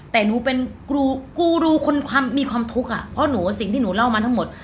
แต่หนูเป็นกูกูรูคนความมีความทุกข์อ่ะเพราะหนูสิ่งที่หนูเล่ามาทั้งหมด